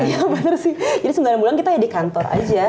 iya bener sih jadi sembilan bulan kita ya di kantor aja